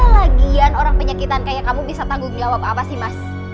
lagian orang penyakitan kayak kamu bisa tanggung jawab apa sih mas